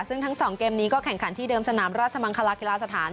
ซึ่งทั้ง๒เกมนี้ก็แข่งขันที่เดิมสนามราชมังคลากีฬาสถาน